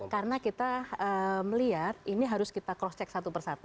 karena kita melihat ini harus kita cross check satu persatu